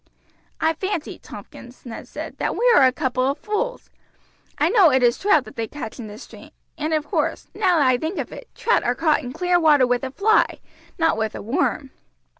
"I fancy, Tompkins," Ned said, "that we are a couple of fools. I know it is trout that they catch in this stream, and of course, now I think of it, trout are caught in clear water with a fly, not with a worm.